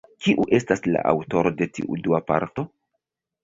Kiu estas la aŭtoro de tiu dua parto?